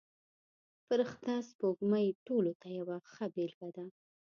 فرشته سپوږمۍ ټولو ته یوه ښه بېلګه ده.